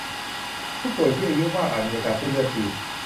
ผู้ป่วยที่อายุมากอาจมีอาการเส้นเลือดตีบ